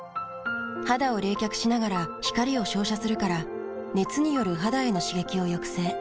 肌を冷却しながら光を照射するから熱による肌への刺激を抑制。